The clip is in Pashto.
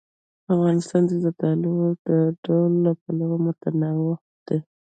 افغانستان د زردالو د ډولونو له پلوه متنوع دی.